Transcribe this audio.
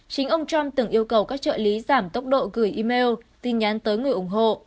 chính ông trump từng yêu cầu các trợ lý giảm tốc độ gửi email tin nhắn tới người ủng hộ